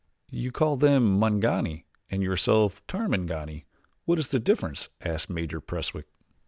"You call them Mangani and yourself Tarmangani what is the difference?" asked Major Preswick.